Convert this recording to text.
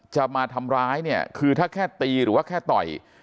จะมาทำร้ายเนี่ยคือถ้าแค่ตีหรือว่าแค่ต่อย